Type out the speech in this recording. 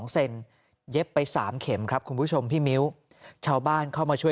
เซนเย็บไป๓เข็มครับคุณผู้ชมพี่มิ้วชาวบ้านเข้ามาช่วย